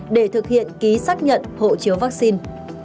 để thực hiện ký xác nhận hộ chiếu vaccine